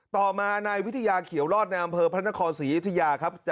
ต่อมานายวิทยาเขียวรอดในอำเภอพระนครศรีอยุธยาครับ